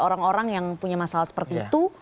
orang orang yang punya masalah seperti itu